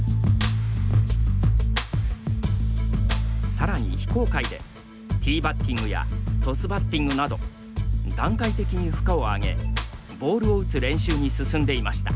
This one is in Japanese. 更に非公開でティーバッティングやトスバッティングなど段階的に負荷を上げボールを打つ練習に進んでいました。